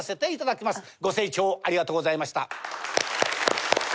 ご清聴ありがとうございました。